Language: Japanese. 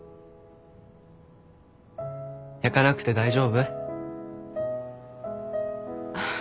焼かなくて大丈夫？あっ。